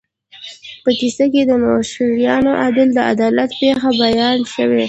په کیسه کې د نوشیروان عادل د عدالت پېښه بیان شوې.